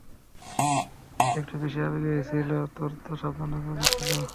সে একটু বেশি আবেগী হয়েছিল, তোর তো সাবধান থাকা উচিত ছিল।